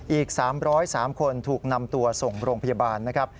อีก๓๐๓คนถูกนำตัวส่งโรงพยาบาลนะครับ